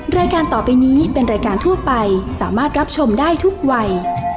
รายการต่อไปนี้เป็นรายการทั่วไปสามารถรับชมได้ทุกวัย